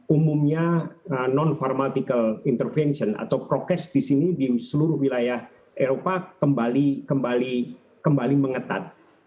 umumnya non pharmatical intervention atau prokes di sini di seluruh wilayah eropa kembali mengetat